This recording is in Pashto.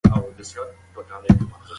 د خوښۍ ساتل د کورنۍ د پلار دنده ده.